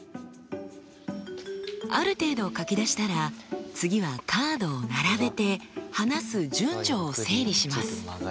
ある程度書き出したら次はカードを並べて話す順序を整理します。